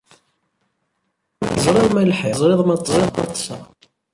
Teẓriḍ ma lḥiɣ, teẓriḍ ma ṭṭseɣ.